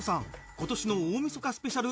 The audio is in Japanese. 今年の大晦日スペシャル